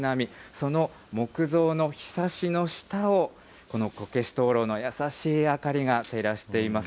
その木造のひさしの下をこのこけし灯ろうの優しい明かりが照らしています。